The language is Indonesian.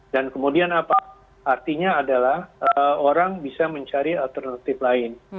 dan kemudian apa artinya adalah orang bisa mencari alternatif lain